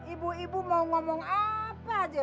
ibu ibu mau ngomong apa aja